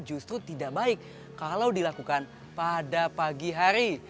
justru tidak baik kalau dilakukan pada pagi hari